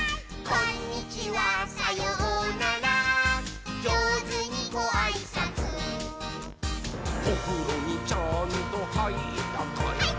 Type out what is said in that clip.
「こんにちはさようならじょうずにごあいさつ」「おふろにちゃんとはいったかい？」はいったー！